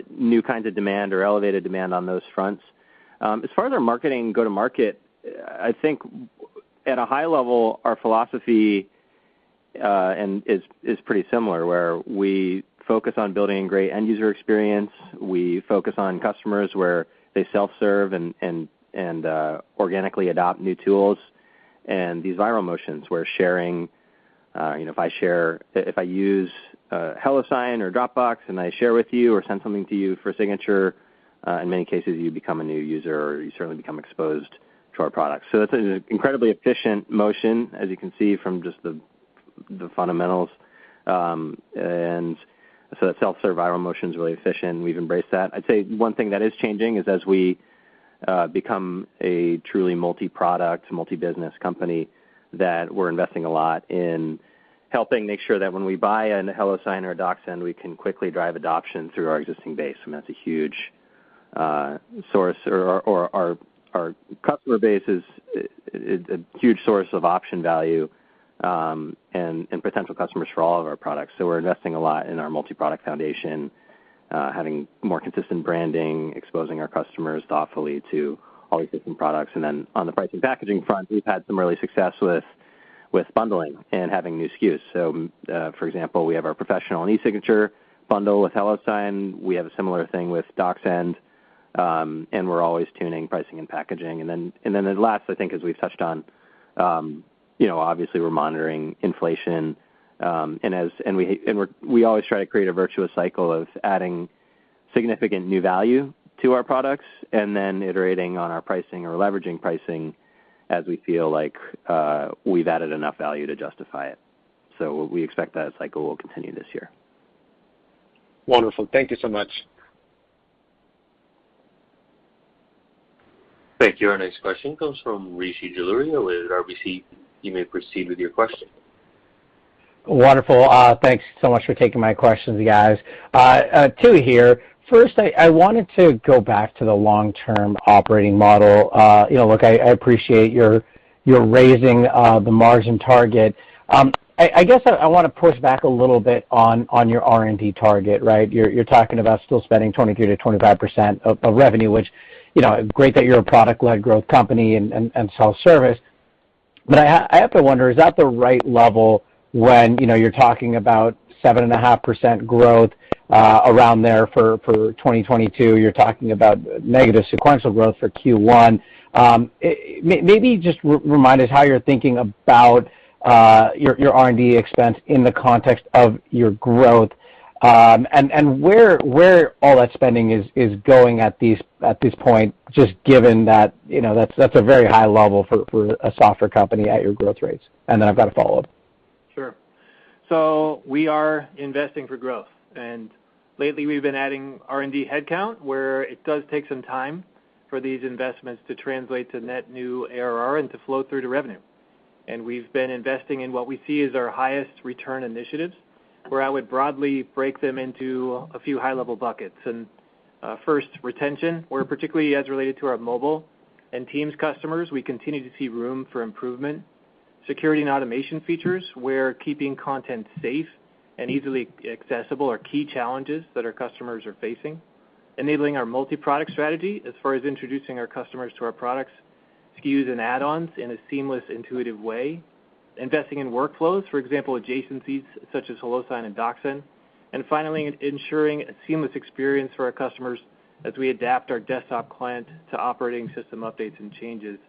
[SPEAKER 3] new kinds of demand or elevated demand on those fronts. As far as our marketing go-to-market, I think at a high level, our philosophy is pretty similar, where we focus on building great end user experience. We focus on customers where they self-serve and organically adopt new tools. These viral motions where sharing, you know, if I use HelloSign or Dropbox, and I share with you or send something to you for a signature, in many cases, you become a new user or you certainly become exposed to our products. That's an incredibly efficient motion, as you can see from just the fundamentals. That self-serve viral motion's really efficient, and we've embraced that. I'd say one thing that is changing is as we become a truly multi-product, multi-business company, that we're investing a lot in helping make sure that when we buy a HelloSign or a DocSend, we can quickly drive adoption through our existing base, and that's a huge source or our customer base is a huge source of option value, and potential customers for all of our products. We're investing a lot in our multi-product foundation, having more consistent branding, exposing our customers thoughtfully to all these different products. On the pricing packaging front, we've had some early success with bundling and having new SKUs. For example, we have our professional e-Signature bundle with HelloSign. We have a similar thing with DocSend, and we're always tuning pricing and packaging. I think as we've touched on, you know, obviously we're monitoring inflation, and we always try to create a virtuous cycle of adding significant new value to our products and then iterating on our pricing or leveraging pricing as we feel like, we've added enough value to justify it. We expect that cycle will continue this year.
[SPEAKER 8] Wonderful. Thank you so much.
[SPEAKER 1] Thank you. Our next question comes from Rishi Jaluria with RBC. You may proceed with your question.
[SPEAKER 9] Wonderful. Thanks so much for taking my questions, you guys. Two here. First, I wanted to go back to the long-term operating model. You know, look, I appreciate you're raising the margin target. I guess I wanna push back a little bit on your R&D target, right? You're talking about still spending 23%-25% of revenue, which, you know, great that you're a product-led growth company and self-service, but I have to wonder, is that the right level when, you know, you're talking about 7.5% growth around there for 2022? You're talking about negative sequential growth for Q1. Maybe just remind us how you're thinking about your R&D expense in the context of your growth, and where all that spending is going at this point, just given that, you know, that's a very high level for a software company at your growth rates. I've got a follow-up.
[SPEAKER 4] Sure. We are investing for growth, and lately we've been adding R&D headcount, where it does take some time for these investments to translate to net new ARR and to flow through to revenue. We've been investing in what we see as our highest return initiatives, where I would broadly break them into a few high-level buckets. First, retention, where particularly as related to our mobile and Teams customers, we continue to see room for improvement. Security and automation features, where keeping content safe and easily accessible are key challenges that our customers are facing. Enabling our multi-product strategy as far as introducing our customers to our products, SKUs, and add-ons in a seamless, intuitive way. Investing in workflows, for example, adjacencies such as HelloSign and DocSend. Finally, ensuring a seamless experience for our customers as we adapt our desktop client to operating system updates and changes,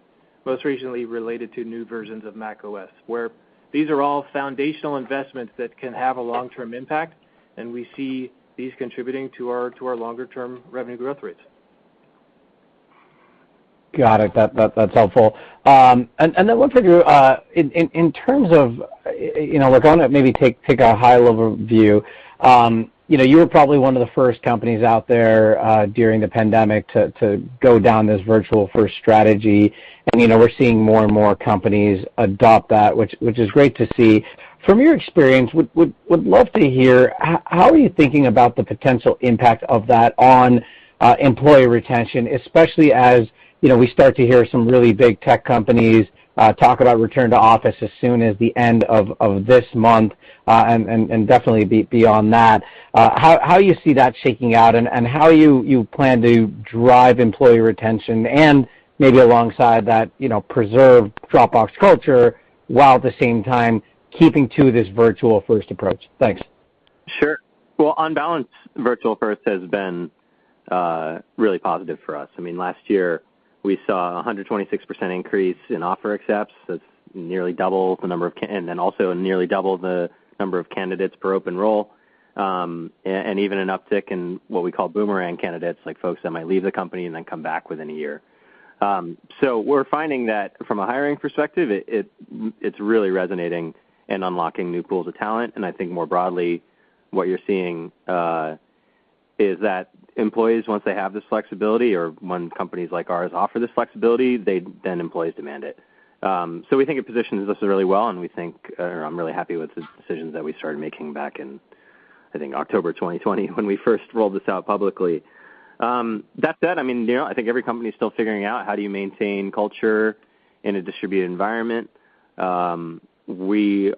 [SPEAKER 4] most recently related to new versions of macOS, where these are all foundational investments that can have a long-term impact, and we see these contributing to our longer term revenue growth rates.
[SPEAKER 9] Got it. That's helpful. One for Drew. In terms of, you know, look, I wanna maybe take a high level view. You know, you were probably one of the first companies out there during the pandemic to go down this Virtual First strategy. You know, we're seeing more and more companies adopt that, which is great to see. From your experience, would love to hear how are you thinking about the potential impact of that on employee retention, especially as, you know, we start to hear some really big tech companies talk about return to office as soon as the end of this month and definitely beyond that. How do you see that shaking out and how you plan to drive employee retention and maybe alongside that, you know, preserve Dropbox culture while at the same time keeping to this Virtual First approach? Thanks.
[SPEAKER 3] Sure. Well, on balance, Virtual First has been really positive for us. I mean, last year we saw a 126% increase in offer accepts. That's nearly double the number of and then also nearly double the number of candidates per open role, and even an uptick in what we call boomerang candidates, like folks that might leave the company and then come back within a year. So we're finding that from a hiring perspective, it's really resonating and unlocking new pools of talent. I think more broadly, what you're seeing is that employees, once they have this flexibility or when companies like ours offer this flexibility, then employees demand it. We think it positions us really well, and we think, or I'm really happy with the decisions that we started making back in, I think, October 2020 when we first rolled this out publicly. That said, I mean, you know, I think every company is still figuring out how do you maintain culture in a distributed environment. Importantly,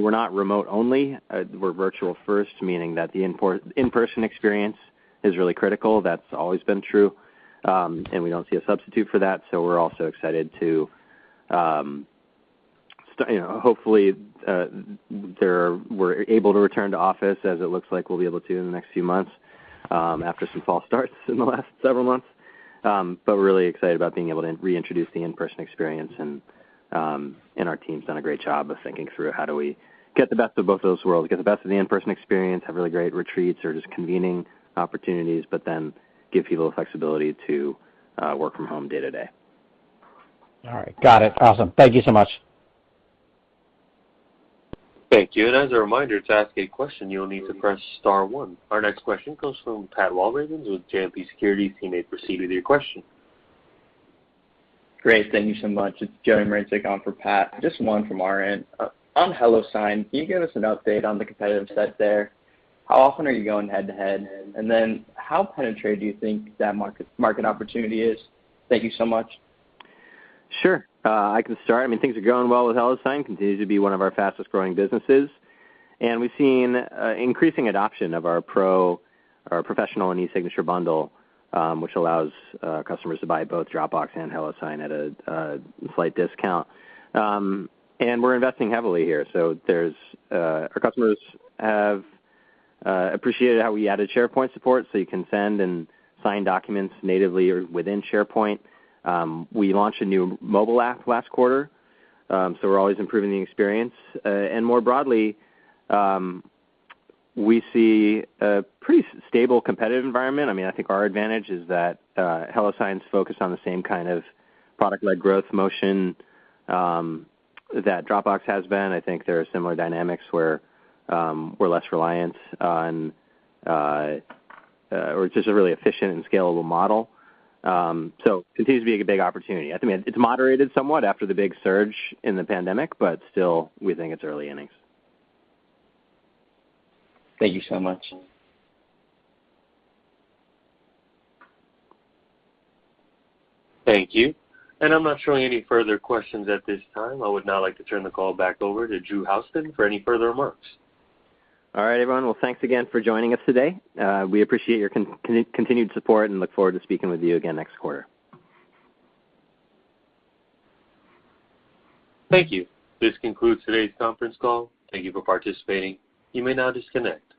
[SPEAKER 3] we're not remote only. We're Virtual First, meaning that the in-person experience is really critical. That's always been true. We don't see a substitute for that, so we're also excited to, you know, hopefully, we're able to return to office as it looks like we'll be able to in the next few months, after some false starts in the last several months. We're really excited about being able to reintroduce the in-person experience and our team's done a great job of thinking through how we get the best of both of those worlds, get the best of the in-person experience, have really great retreats or just convening opportunities, but then give people the flexibility to work from home day-to-day.
[SPEAKER 9] All right. Got it. Awesome. Thank you so much.
[SPEAKER 1] Thank you. As a reminder, to ask a question, you'll need to press star one. Our next question comes from Pat Walravens with JMP Securities. You may proceed with your question.
[SPEAKER 10] Great. Thank you so much. It's Joey Marincek on for Pat. Just one from our end. On HelloSign, can you give us an update on the competitive set there? How often are you going head-to-head? How penetrated do you think that market opportunity is? Thank you so much.
[SPEAKER 3] Sure. I can start. I mean, things are going well with HelloSign, continues to be one of our fastest-growing businesses. We've seen increasing adoption of our professional e-Signature bundle, which allows customers to buy both Dropbox and HelloSign at a slight discount. We're investing heavily here. Our customers have appreciated how we added SharePoint support, so you can send and sign documents natively or within SharePoint. We launched a new mobile app last quarter, so we're always improving the experience. More broadly, we see a pretty stable competitive environment. I mean, I think our advantage is that HelloSign's focused on the same kind of product-led growth motion that Dropbox has been. I think there are similar dynamics where we're less reliant on, or just a really efficient and scalable model. Continues to be a big opportunity. I think it's moderated somewhat after the big surge in the pandemic, but still, we think it's early innings.
[SPEAKER 10] Thank you so much.
[SPEAKER 1] Thank you. I'm not showing any further questions at this time. I would now like to turn the call back over to Drew Houston for any further remarks.
[SPEAKER 3] All right, everyone. Well, thanks again for joining us today. We appreciate your continued support, and look forward to speaking with you again next quarter.
[SPEAKER 1] Thank you. This concludes today's conference call. Thank you for participating. You may now disconnect.